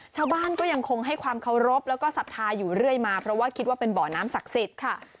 ชาวบ้านก็ยังคงให้ความเคารพแล้วก็ศรัทธาอยู่เรื่อยมาเพราะว่าคิดว่าเป็นบ่อน้ำศักดิ์สิทธิ์ค่ะ